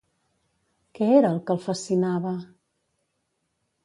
Què era el que el fascinava?